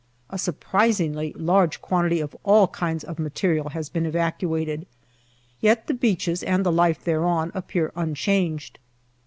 A surprisingly large quantity of all kinds of material has been evacuated, yet the beaches and the life thereon appear unchanged.